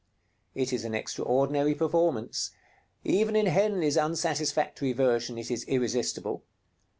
It is an extraordinary performance; even in Henley's unsatisfactory version it is irresistible.